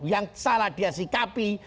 yang salah dia sikapi